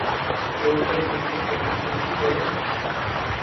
ئەوا تۆ کێشەی خۆ پەسەندیت هەیە